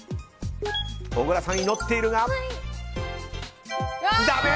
小倉さん、祈っているが、だめ！